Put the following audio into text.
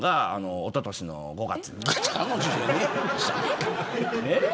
おととしの５月。